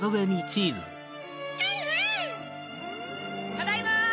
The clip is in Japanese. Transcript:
ただいま！